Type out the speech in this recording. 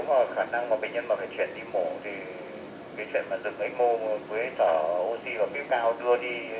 và sáng tập đạp rồi cưới